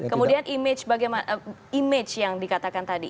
kemudian image image yang dikatakan tadi